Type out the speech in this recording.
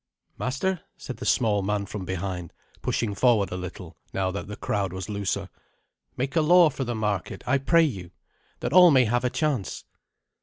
"Master," said the small man from behind, pushing forward a little, now that the crowd was looser, "make a law for the market, I pray you, that all may have a chance."